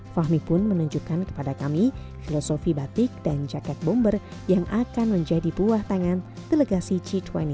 fahmi pun menunjukkan kepada kami filosofi batik dan jaket bomber yang akan menjadi buah tangan delegasi g dua puluh